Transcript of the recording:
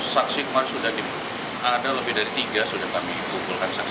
saksi kemarin sudah ada lebih dari tiga sudah kami kumpulkan saksi